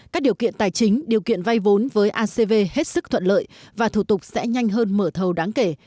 các điều kiện tài chính điều kiện vay vốn với acv hết sức thuận lợi và thủ tục sẽ nhanh hơn mở thầu đáng kể